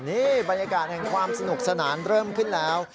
นี่บรรยากาศแห่งความสนุกสนานเริ่มขึ้นแล้ว